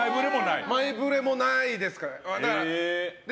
前触れもないですね。